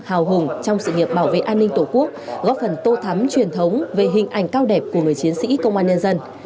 hào hùng trong sự nghiệp bảo vệ an ninh tổ quốc góp phần tô thắm truyền thống về hình ảnh cao đẹp của người chiến sĩ công an nhân dân